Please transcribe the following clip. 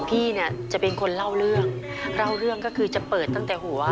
พี่เนี่ยจะเป็นคนเล่าเรื่องเล่าเรื่องก็คือจะเปิดตั้งแต่หัว